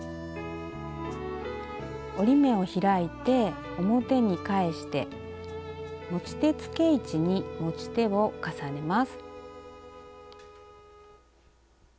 折り目を開いて表に返して持ち手つけ位置に持ち手を重ねます。